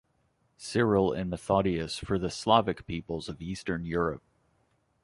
Cyril and Methodius for the Slavic peoples of Eastern Europe.